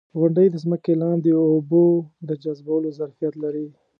• غونډۍ د ځمکې لاندې اوبو د جذبولو ظرفیت لري.